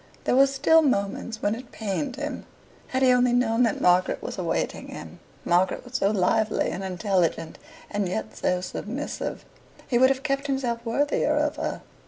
There were still moments when it pained him. Had he only known that Margaret was awaiting him Margaret, so lively and intelligent, and yet so submissive he would have kept himself worthier of her.